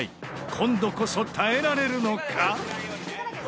今度こそ耐えられるのか？